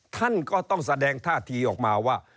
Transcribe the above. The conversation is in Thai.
ท่านก็ต้องแสดงท่าทีออกมาว่า